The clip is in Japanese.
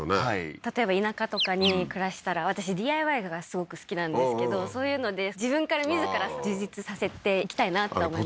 例えば田舎とかに暮らしたら私ＤＩＹがすごく好きなんですけどそういうので自分から自ら充実させていきたいなって思いました